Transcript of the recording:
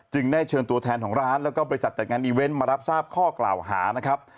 ได้เชิญตัวแทนของร้านแล้วก็บริษัทจัดงานอีเวนต์มารับทราบข้อกล่าวหานะครับ